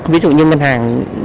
ví dụ như ngân hàng